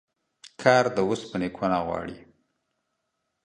کار د اوسپني کونه غواړي.